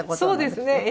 そうですね。